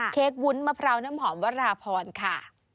เค้กวุ้นมะพร้าวน้ำหอมวราพรค่ะ